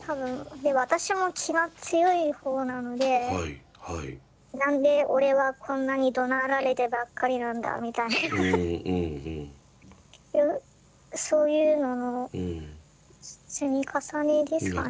で私も気が強い方なので「何で俺はこんなにどなられてばっかりなんだ」みたいな。そういうのの積み重ねですかね。